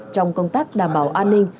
trong công tác đảm bảo an ninh